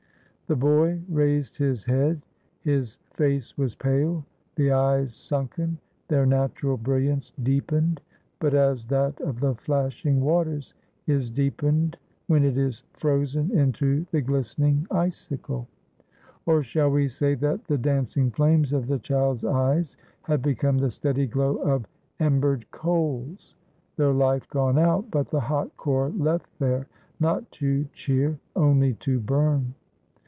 The boy raised his head. His face was pale; the eyes sunken; their natural brilliance deepened, but as that of the flashing waters is deepened when it is frozen into the glistening icicle. Or shall we say that the dancing flames of the child's eyes had become the steady glow of em bered coals; — their life gone out, but the hot core left there, not to cheer, only to burn?